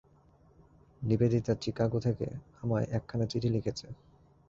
Nivedita Chicago থেকে আমায় একখানি চিঠি লিখেছে।